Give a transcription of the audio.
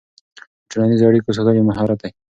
د ټولنیزو اړیکو ساتل یو مهارت دی.